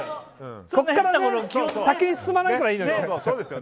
そこから先に進まないからいいのよ。